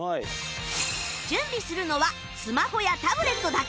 準備するのはスマホやタブレットだけ